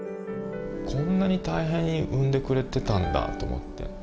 こんなに大変に産んでくれてたんだと思って。